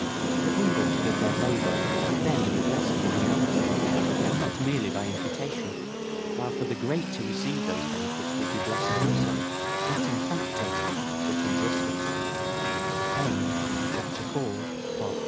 For the humble to give their labour would then be blessed in reality, and not merely by imputation, while for the great to receive those benefits would be blessed also, not in fact only but in justice. FOOTNOTES: [Footnote C: Paradiso.